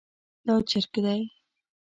دا چرګ دی